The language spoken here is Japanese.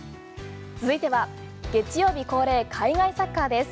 続いては月曜日恒例海外サッカーです。